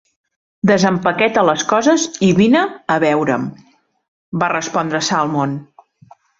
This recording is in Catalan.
"Desempaqueta les coses i vine a veure'm", va respondre Salmond.